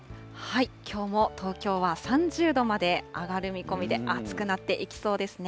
きょうも東京は３０度まで上がる見込みで、暑くなっていきそうですね。